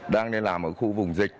đang đi làm ở khu vùng dịch